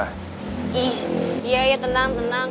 iya ya tenang tenang